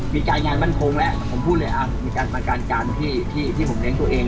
มีการงานมั่นคงแหละผมพูดเลยอ่ามีการมีการการที่ที่ที่ผมเลี้ยงตัวเอง